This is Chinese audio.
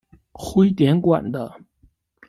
徽典馆的。